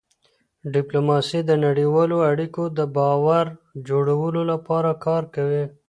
ډيپلوماسي د نړیوالو اړیکو د باور جوړولو لپاره کار کوي.